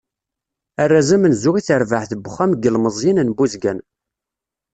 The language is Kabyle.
Arraz amenzu i terbaɛt n uxxam n yilemẓiyen n Buzgan.